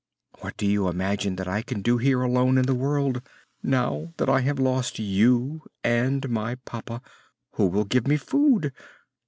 What do you imagine that I can do here alone in the world? Now that I have lost you and my papa, who will give me food?